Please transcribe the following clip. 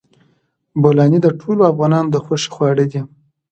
بولاني د ټولو افغانانو د خوښې خواړه دي.